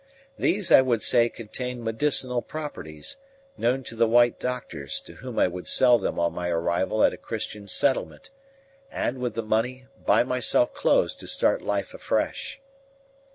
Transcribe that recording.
These I would say contained medicinal properties, known to the white doctors, to whom I would sell them on my arrival at a Christian settlement, and with the money buy myself clothes to start life afresh.